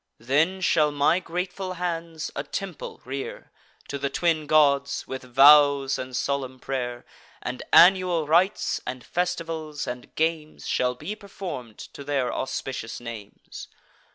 Then shall my grateful hands a temple rear To the twin gods, with vows and solemn pray'r; And annual rites, and festivals, and games, Shall be perform'd to their auspicious names.